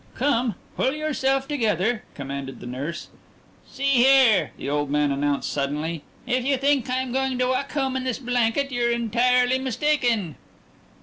"Come! Pull yourself together," commanded the nurse. "See here," the old man announced suddenly, "if you think I'm going to walk home in this blanket, you're entirely mistaken."